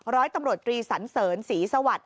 ร้อยตำรวจตรีสรรเสรินศรีสวรรค์